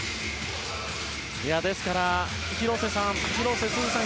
ですから、広瀬すずさん